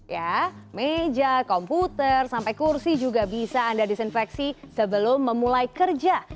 ya meja komputer sampai kursi juga bisa anda disinfeksi sebelum memulai kerja